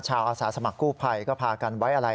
อาสาสมัครกู้ภัยก็พากันไว้อะไร